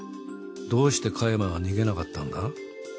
どうして加山は逃げなかったんだ？